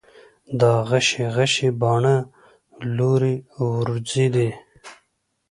دا غشي غشي باڼه، لورې وروځې دي